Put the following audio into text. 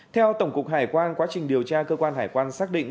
theo tổng cục hải quan quá trình điều tra cơ quan hải quan xác định